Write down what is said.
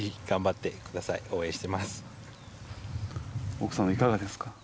奥さんいかがですか？